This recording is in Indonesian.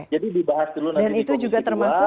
jadi dibahas dulu nanti di konstitusi